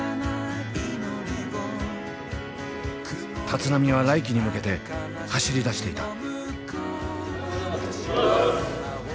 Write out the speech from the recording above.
立浪は来季に向けて走りだしていた。